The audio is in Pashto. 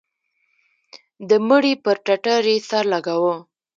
د مړي پر ټټر يې سر لگاوه.